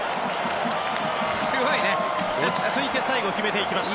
落ち着いて最後決めていきました。